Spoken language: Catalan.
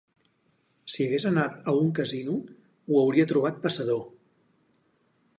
Si hagués anat a un casino, ho hauria trobat passador.